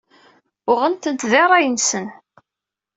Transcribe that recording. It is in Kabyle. Uɣent-tent di rray-nsen.